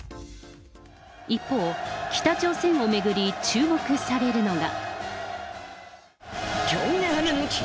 一方、北朝鮮を巡り、注目されるのが。